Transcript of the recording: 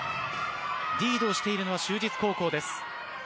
リードしているのは就実高校です。